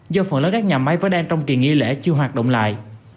do phần lớn các nhà máy vẫn đang trong kỳ nghỉ lễ chưa hoạt động lại